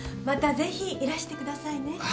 またぜひいらしてくださいね。